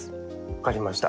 分かりました。